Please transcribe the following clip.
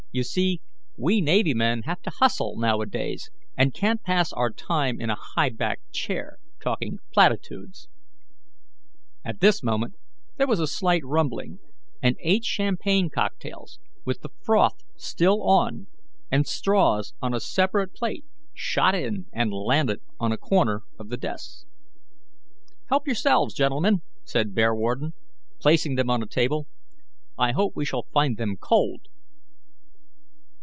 "You see, we navy men have to hustle now a days, and can't pass our time in a high backed chair, talking platitudes." At this moment there was a slight rumbling, and eight champagne cocktails, with the froth still on, and straws on a separate plate, shot in and landed on a corner of the desk. "Help yourselves, gentlemen," said Bearwarden, placing them on a table; "I hope we shall find them cold."